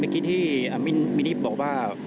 เมื่อกี้ที่มินทรีย์บบอกว่า